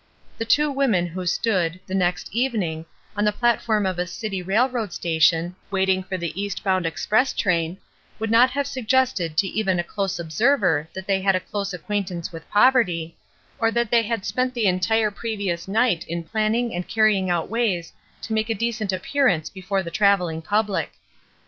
The two women who stood, the next evening, on the platform of a city railroad station, wait ing for the East bound express train, would not have suggested to even a close observer that they had a close acquaintance with poverty, or that they had spent the entire previous night in planning and carrying out ways to make a decent appearance before the travelling public.